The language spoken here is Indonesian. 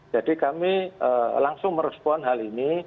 jadi kami langsung merespon hal ini